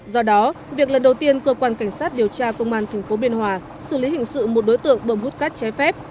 do đó việc lần đầu tiên cơ quan cảnh sát điều tra công an tp biên hòa xử lý hình sự một đối tượng bầm hút cát trái phép